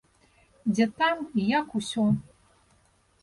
Дзе там і як усё.